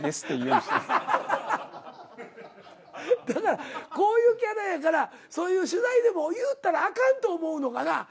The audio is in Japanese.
だからこういうキャラやからそういう取材でも言うたらあかんと思うのかな？